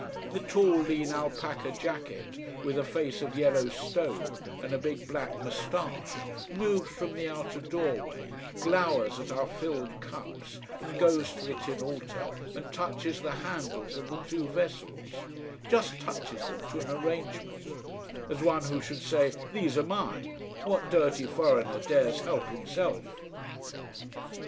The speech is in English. The tall lean alpaca jacket, with a face of yellow stone and a big black moustache moves from the outer doorway, glowers at our filled cups, and goes to the tin altar and touches the handles of the two vessels: just touches them to an arrangement: as one who should say: These are mine. What dirty foreigner dares help himself!